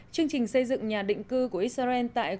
chương trình xây dựng nhà định cư của israel